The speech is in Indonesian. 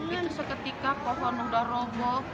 itu seketika pohon udah roboh